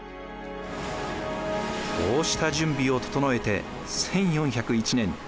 こうした準備を整えて１４０１年。